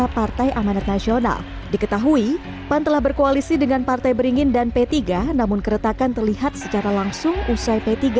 pan telah berkoalisi dengan partai beringin dan p tiga namun keretakan terlihat secara langsung usai p tiga